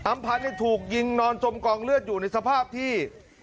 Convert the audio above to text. พันธุ์ถูกยิงนอนจมกองเลือดอยู่ในสภาพที่